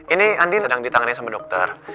ini andi sedang ditangani sama dokter